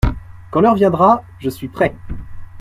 Quand l'heure viendra, je suis prêt …